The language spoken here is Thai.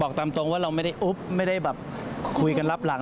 ตามตรงว่าเราไม่ได้อุ๊บไม่ได้แบบคุยกันรับหลัง